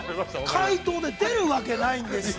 ◆解答で出るわけないんですよ。